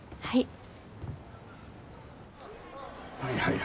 はい。